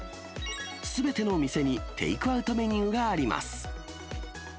すべての店にテイクアウトメニューがあります。